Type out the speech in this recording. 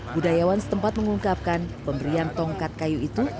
budayawan setempat mengungkapkan pemberian tongkat kayu itu